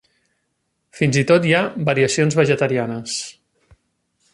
Fins i tot hi ha variacions vegetarianes.